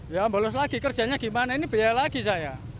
ya bolos lagi kerjanya gimana ini biaya lagi saya